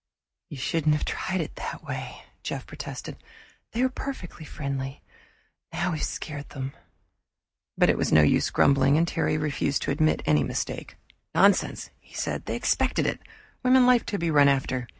"You shouldn't have tried that way," Jeff protested. "They were perfectly friendly; now we've scared them." But it was no use grumbling, and Terry refused to admit any mistake. "Nonsense," he said. "They expected it. Women like to be run after.